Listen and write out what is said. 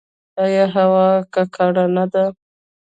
آیا هوا ککړه نه ده؟